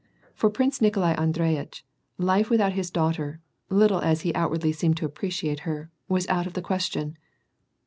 For Prince Nikolai An dreyitch, life without his daughter, little as he outwardly seemed to appreciate her, was out of the question.